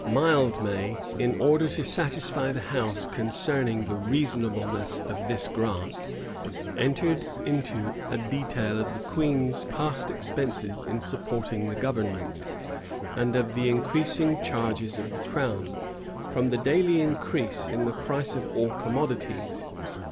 Mildmay, in order to satisfy the house concerning the reasonableness of this grant, entered into a detail of the queen's past expenses in supporting the government, and of the increasing charges of the crown, from the daily increase in the price of all commodities.